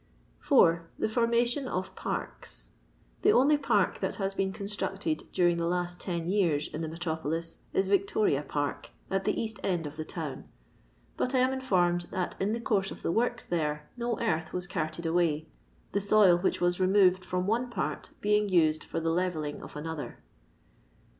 4. TKe Formation qf Parkt, — The only park that has been constructed during the last ten years in the metropolis is Victoria Park, at the east end of the town ; bat I am informed that, in the course of the works there, no earth was carted away, the soil which was remoTed from one part being used for the lerelling of another.